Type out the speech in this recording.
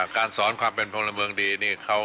การสอนความเป็นพลเมืองดีนี่